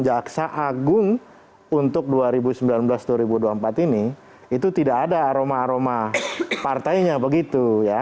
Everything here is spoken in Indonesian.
jaksa agung untuk dua ribu sembilan belas dua ribu dua puluh empat ini itu tidak ada aroma aroma partainya begitu ya